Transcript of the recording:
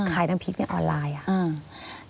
ขายน้ำพริกออนไลน์อ่ะ